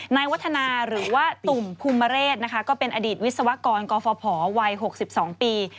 นายวัฒนาหรือว่าตุ่มภูมิเรศนะคะก็เป็นอดีตวิศวกรกฟภวัย๖๒ปี